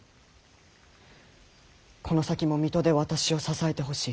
この先も水戸で私を支えてほしい。